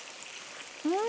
うん。